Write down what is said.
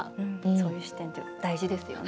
そういう視点って大事ですよね。